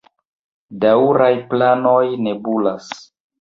Daŭraj planoj nebulas.